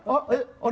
あれ？